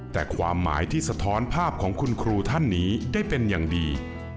แต่ความหมายที่สะท้อนภาพของคุณครูท่านนี้ได้เป็นอย่างดี